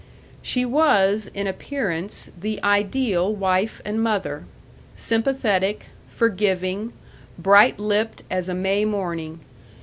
She was, in appearance, the ideal wife and mother sympathetic, forgiving, bright lipped as a May morning.